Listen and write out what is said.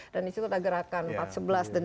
dan disitu ada gerakan empat sebelas dan dua dua belas